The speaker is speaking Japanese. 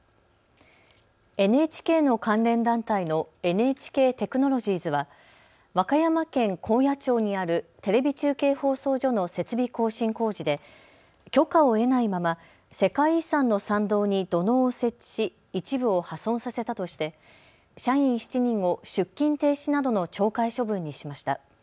ＮＨＫの関連団体のＮＨＫテクノロジーズは和歌山県高野町にあるテレビ中継放送所の設備更新工事で許可を得ないまま世界遺産の参道に土のうを設置し一部を破損させたとして社員７人を出勤停止などの懲戒処分にしました。